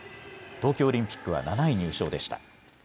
東京オリンピックは７位入賞でした。